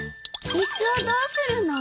椅子をどうするの？